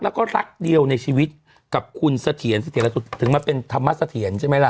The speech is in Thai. แล้วก็รักเดียวในชีวิตกับคุณเศรษฎีที่มาถึงทำมาร์ทเศรียนใช่ไหมล่ะ